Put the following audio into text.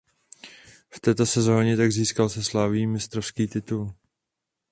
V této sezoně také získal se Slavií mistrovský titul.